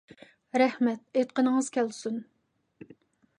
رەھمەت، ئېيتقىنىڭىز كەلسۇن.